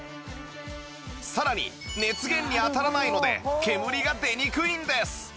さらに熱源に当たらないので煙が出にくいんです